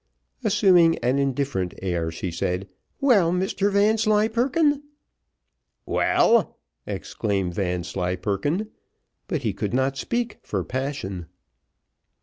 Assuming an indifferent air, she said "Well, Mr Vanslyperken?" "Well!" exclaimed Vanslyperken, but he could not speak for passion.